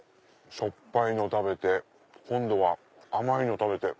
しょっぱいの食べて今度は甘いの食べて。